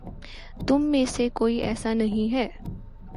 تم میں سے کوئی ایسا نہیں ہے